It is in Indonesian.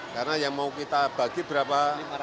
karena yang mau kita bagi berapa